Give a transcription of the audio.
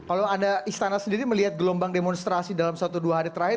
kalau anda istana sendiri melihat gelombang demonstrasi dalam satu dua hari terakhir